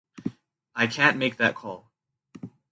I can’t make that call.